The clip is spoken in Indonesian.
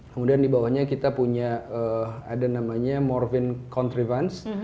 kemudian di bawahnya kita punya ada namanya morvin contrivance